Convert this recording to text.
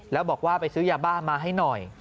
แล้วบอกว่าไปซื้อยาบ้ามาให้หน่อย